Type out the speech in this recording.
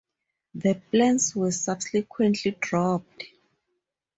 The plans were subsequently dropped.